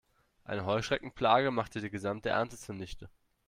Eine Heuschreckenplage machte die gesamte Ernte zunichte.